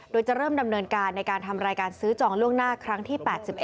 โดยจะเริ่มดำเนินการในการทำรายการซื้อจองล่วงหน้าครั้งที่๘๑